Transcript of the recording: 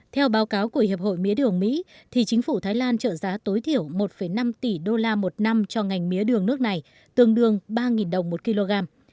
theo báo cáo của hiệp hội mía đường mỹ thì chính phủ thái lan trợ giá tối thiểu một năm tỷ đô la một năm cho ngành mía đường nước này tương đương ba đồng một kg